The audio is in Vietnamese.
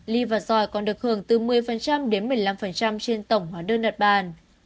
ly và giỏi còn được hưởng từ một mươi đến một mươi năm trên tổng hóa đơn đặt bàn